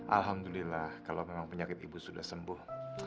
alhamdulillah kalau memang penyakit ibu sudah sembuh